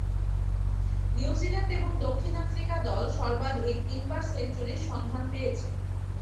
New Zealand এবং দক্ষিণ Africa দল সর্বাধিক তিনবার সেঞ্চুরির সন্ধান পেয়েছে।